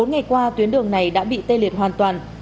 bốn ngày qua tuyến đường này đã bị tê liệt hoàn toàn